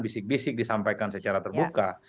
bisik bisik disampaikan secara terbuka